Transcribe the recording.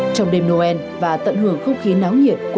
trong đêm noel và tận hưởng không khí náo nhiệt của những ngày